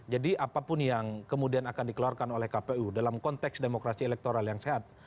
jadi apapun yang kemudian akan dikeluarkan oleh kpu dalam konteks demokrasi elektoral yang sehat